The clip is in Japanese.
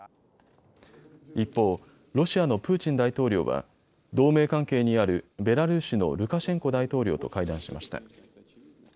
一方、ロシアのプーチン大統領は同盟関係にあるベラルーシのルカシェンコ大統領と会談しました。